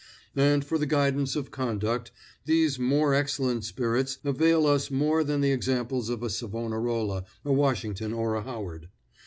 And for the guidance of conduct, these more excellent spirits avail us more than the examples of a Savonarola, a Washington or a Howard.